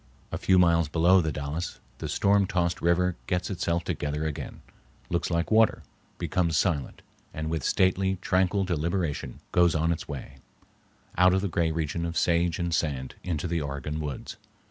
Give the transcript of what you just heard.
A few miles below the Dalles the storm tossed river gets itself together again, looks like water, becomes silent, and with stately, tranquil deliberation goes on its way, out of the gray region of sage and sand into the Oregon woods.